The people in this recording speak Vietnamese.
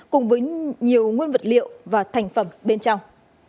cùng với nhiều nguyên vật liệu và thành phẩm bên trong